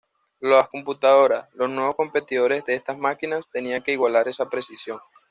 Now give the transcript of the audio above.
Las computadoras, los nuevos competidores de esas máquinas, tenían que igualar esa precisión.